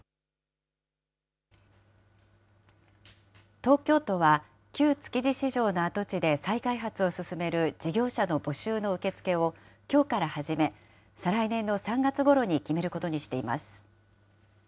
東京都は、旧築地市場の跡地で再開発を進める事業者の募集の受け付けをきょうから始め、再来年の３月ごろに決めることにしています。